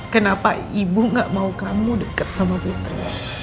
kenapa ibu gak mau kamu deket sama putri